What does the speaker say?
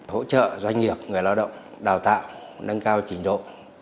hỗ trợ doanh nghiệp người lao động đào tạo nâng cao trình độ